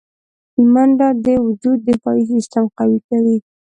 منډه د وجود دفاعي سیستم قوي کوي